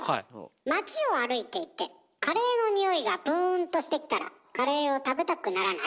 街を歩いていてカレーの匂いがぷんとしてきたらカレーを食べたくならない？